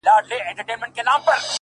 بنگړي نه غواړم،